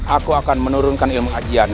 aku akan menurunkan ilmu ajian